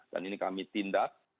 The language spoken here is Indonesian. dan ini kami tindak